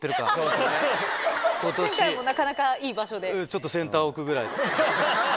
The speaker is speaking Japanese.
ちょっとセンター奥ぐらいの。